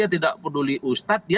tidak peduli ustadz